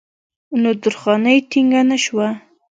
نو درخانۍ ټينګه نۀ شوه